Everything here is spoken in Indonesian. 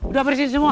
udah bersih semua